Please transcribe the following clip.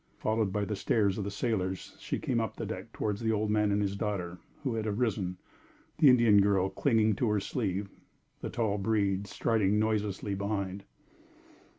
Followed by the stares of the sailors, she came up the deck toward the old man and his daughter, who had arisen, the Indian girl clinging to her sleeve, the tall breed striding noiselessly behind.